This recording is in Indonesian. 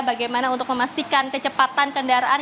bagaimana untuk memastikan kecepatan kendaraan